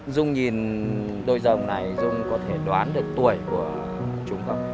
dung nhìn đôi rồng này dung có thể đoán được tuổi của chúng không